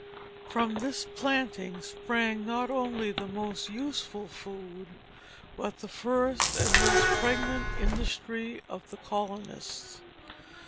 From this planting sprang not only the most useful food, but the first and most pregnant industry of the colonists.